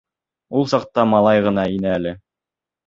Ул саҡта малай ғына ине әле.